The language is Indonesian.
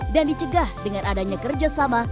dan dicegah dengan adanya kerjasama